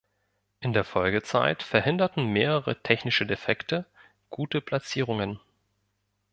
In der Folgezeit verhinderten mehrere technische Defekte gute Platzierungen.